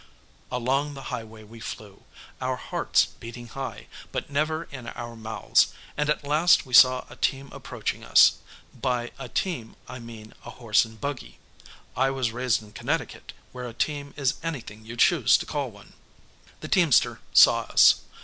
Along the highway we flew, our hearts beating high, but never in our mouths, and at last we saw a team approaching us. By "a team" I mean a horse and buggy. I was raised in Connecticut, where a team is anything you choose to call one. The teamster saw us.